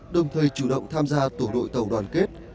đồng thời chủ động tham gia tổ đội tàu đoàn kết